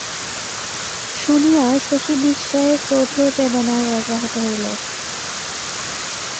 শুনিয়া শশী বিস্ময়ে ক্রোধে বেদনায় বজ্রাহত হইল।